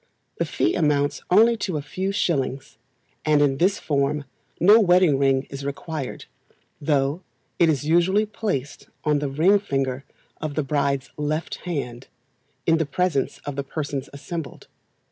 The fee amounts only to a few shillings, and in this form no wedding ring is required, though it is usually placed on the ring finger of the bride's left hand, in the presence of the persons assembled.